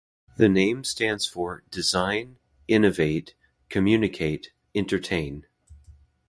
The name stands for "Design, Innovate, Communicate, Entertain".